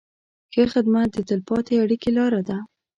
ښه خدمت د تل پاتې اړیکې لاره ده.